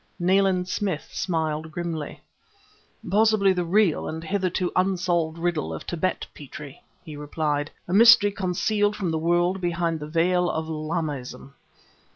Nayland Smith smiled grimly. "Possibly the real and hitherto unsolved riddle of Tibet, Petrie," he replied "a mystery concealed from the world behind the veil of Lamaism."